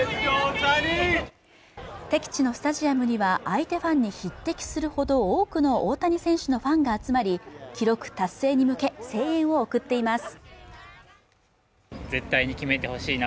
敵地のスタジアムには相手ファンに匹敵するほど多くの大谷選手のファンが集まり記録達成に向け声援を送っています